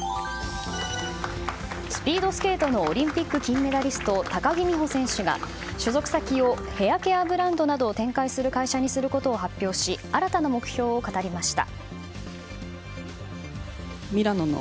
スピードスケートのオリンピック金メダリスト高木美帆選手が所属先をヘアケアブランドなどを展開する会社にすることを発表し新たな目標を語りました。